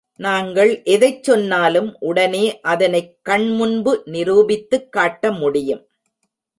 நாங்கள் எதைச் சொன்னாலும் உடனே அதனைக் கண்முன்பு நிரூபித்துக் காட்டமுடியும்.